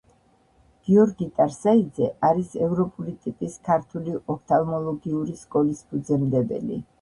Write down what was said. გიორგი ტარსაიძე არის ევროპული ტიპის ქართული ოფთალმოლოგიური სკოლის ფუძემდებელი.